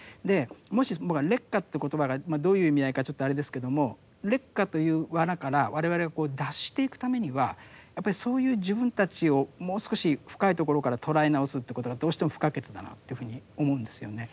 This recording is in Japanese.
もし僕は劣化という言葉がどういう意味合いかちょっとあれですけども劣化という罠から我々がこう脱していくためにはやっぱりそういう自分たちをもう少し深いところから捉え直すということがどうしても不可欠だなというふうに思うんですよね。